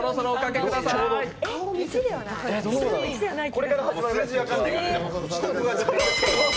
これから始まる。